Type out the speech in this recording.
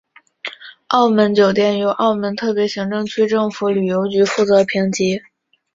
澳门酒店由澳门特别行政区政府旅游局负责评级。